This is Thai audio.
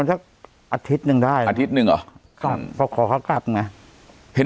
อาทิตย์หนึ่งได้อาทิตย์หนึ่งอ๋อครับเขาขอเขากลับไหม